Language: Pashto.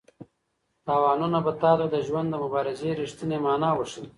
تاوانونه به تا ته د ژوند د مبارزې رښتینې مانا وښيي.